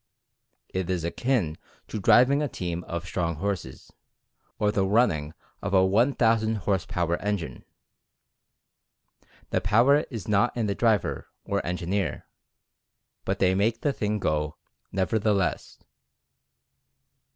It is akin to driving a team of strong horses, or the running of a 1,000 horsepower engine — the power is not in the driver or engineer, but they make the thing go, nevertheless.